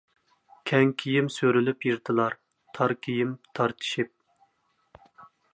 كەڭ كىيىم سۆرىلىپ يىرتىلار، تار كىيىم تارتىشىپ.